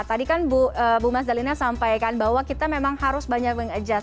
tadi kan bu mas dalina sampaikan bahwa kita memang harus banyak mengadjust